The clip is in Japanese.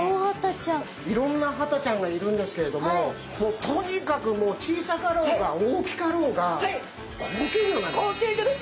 いろんなハタちゃんがいるんですけれどももうとにかくもう小さかろうが大きかろうが高級魚なんです。